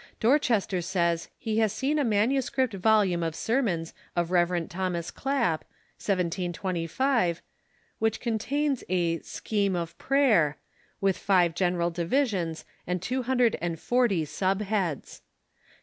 Dorchester says he has seen a manuscri])t volume of sermons of Rev. Thomas Clap (1725) which contains a " Scheme of Prayer," with five general divi sions and two hundred and forty sub heads.